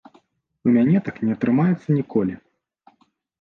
У мяне так не атрымаецца ніколі.